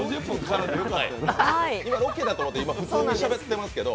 今、ロケだと思って普通にしゃべってますけど。